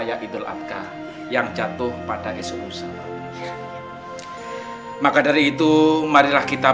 hadirin dan hadirat